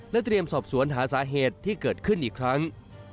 เตรียมสอบสวนหาสาเหตุที่เกิดขึ้นอีกครั้ง